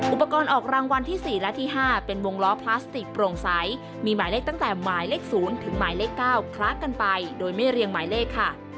อุปกรณ์ออกรางวัลที่๔และที่๕เป็นวงล้อพลาสติกโปร่งใสมีหมายเลขตั้งแต่หมายเลข๐ถึงหมายเลข๙คล้ากันไปโดยไม่เรียงหมายเลขค่ะ